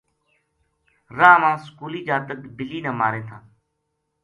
راہ ما سکولی جاتک بلی نا ماریں تھا